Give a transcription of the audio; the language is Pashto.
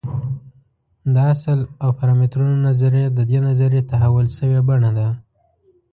د اصل او پارامترونو نظریه د دې نظریې تحول شوې بڼه ده.